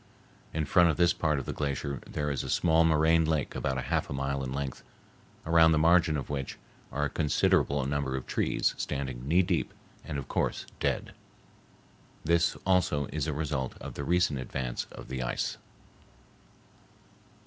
In front of this part of the glacier there is a small moraine lake about half a mile in length, around the margin of which are a considerable number of trees standing knee deep, and of course dead. This also is a result of the recent advance of the ice.